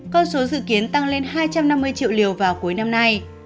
con số dự kiến tăng lên hai trăm năm mươi triệu liều vào cuối năm nay